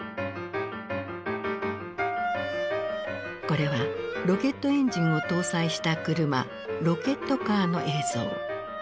これはロケットエンジンを搭載した車ロケットカーの映像。